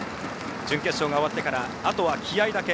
準決勝が終わってからあとは気合いだけ。